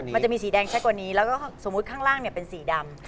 มันจะมีสีแดงชัดกว่านี้แล้วก็สมมุติข้างล่างเป็นสีดำ